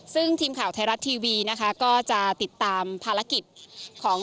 ซึ่งทีมข่าวไทยรัฐทีวีนะคะก็จะติดตามภารกิจของ